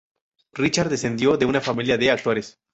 Richard descendió de una familia de actores.